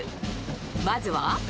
まずは。